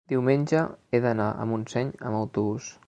diumenge he d'anar a Montseny amb autobús.